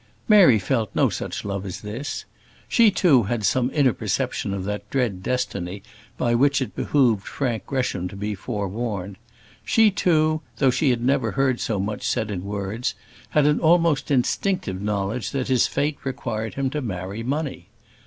Mary felt no such love as this. She, too, had some inner perception of that dread destiny by which it behoved Frank Gresham to be forewarned. She, too though she had never heard so much said in words had an almost instinctive knowledge that his fate required him to marry money.